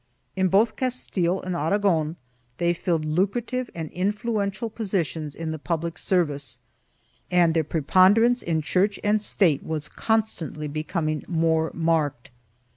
In both Castile and Aragon they filled lucrative and influential positions in the public service and their preponder ance in Church and State was constantly becoming more marked.